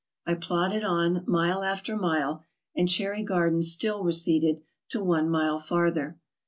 I plodded on, mile after mile, and Cherry MISCELLANEOUS 425 Garden still receded to one mile farther.